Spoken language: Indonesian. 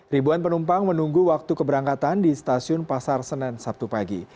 ribuan penumpang menunggu waktu keberangkatan di stasiun pasar senen sabtu pagi